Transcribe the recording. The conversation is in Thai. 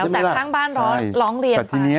แต่ข้างบ้านร้องเรียนบางอย่างนี้